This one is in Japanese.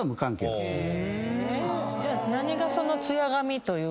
じゃあ何がその艶髪というか。